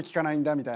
みたいな。